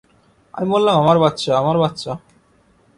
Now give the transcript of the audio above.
আমি বললাম, আমার বাচ্চা, আমার বাচ্চা?